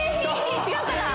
違うかな？